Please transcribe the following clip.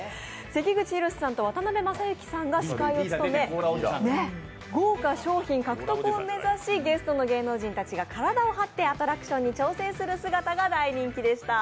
関口宏さんと渡辺正行さんが司会を務め豪華賞品獲得を目指す、ゲストの芸能人たちが体を張ってアトラクションに挑戦する姿が大人気でした。